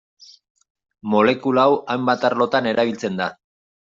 Molekula hau hainbat arlotan erabiltzen da.